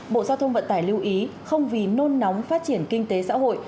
bộ giao thông vận tải lưu ý không vì nôn nóng phát triển kinh tế xã hội